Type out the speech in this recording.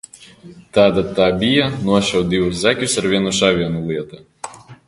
"Tātad tā bija "nošauj divus zaķus ar vienu šāvienu" lieta?"